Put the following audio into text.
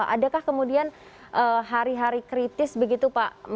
adakah kemudian hari hari kritis begitu pak